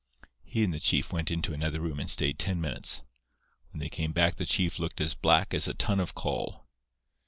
"He and the chief went into another room and stayed ten minutes. When they came back the chief looked as black as a ton of coal.